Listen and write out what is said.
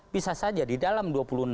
bisa saja di dalam dua puluh enam